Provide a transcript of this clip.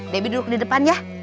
dibikin dulu di depan ya